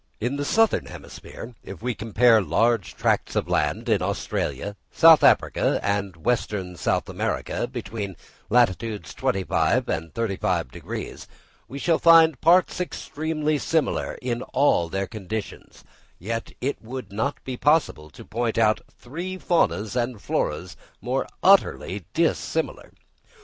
In the southern hemisphere, if we compare large tracts of land in Australia, South Africa, and western South America, between latitudes 25° and 35°, we shall find parts extremely similar in all their conditions, yet it would not be possible to point out three faunas and floras more utterly dissimilar.